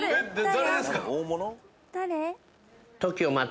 誰ですか？